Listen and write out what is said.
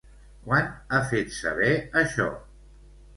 Quan ha fet saber això?